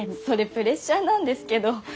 それプレッシャーなんですけど。